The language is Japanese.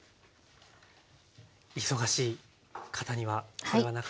忙しい方にはこれはなかなか。